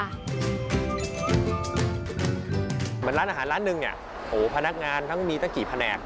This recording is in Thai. เหมือนร้านอาหารร้านหนึ่งพนักงานทั้งมีตั้งกี่แผนก